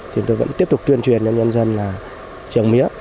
thì tôi vẫn tiếp tục tuyên truyền cho nhân dân là trồng mía